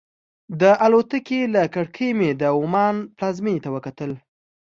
د الوتکې له کړکۍ مې د عمان پلازمېنې ته وکتل.